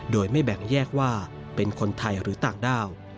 โดยไม่แบ่งแยกว่าเป็นคนไทยหรือต่างด้าว